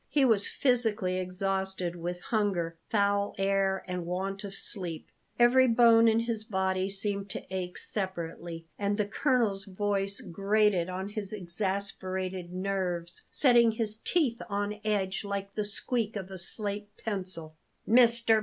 He was physically exhausted with hunger, foul air, and want of sleep; every bone in his body seemed to ache separately; and the colonel's voice grated on his exasperated nerves, setting his teeth on edge like the squeak of a slate pencil. "Mr.